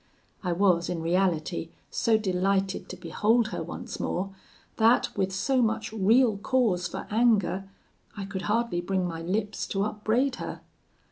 "I was in reality so delighted to behold her once more, that, with so much real cause for anger, I could hardly bring my lips to upbraid her.